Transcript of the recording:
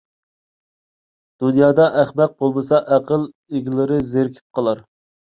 دۇنيادا ئەخمەق بولمىسا، ئەقىل ئىگىلىرى زېرىكىپ قالار.